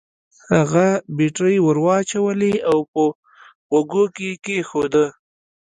هغه بېټرۍ ور واچولې او په غوږو کې يې کېښوده.